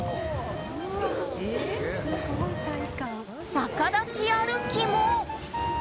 逆立ち歩きも。